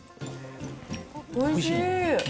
おいしい。